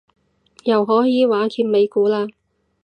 又可以玩揭尾故嘞